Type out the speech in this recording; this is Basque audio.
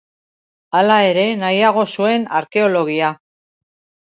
Hala ere, nahiago zuen arkeologia.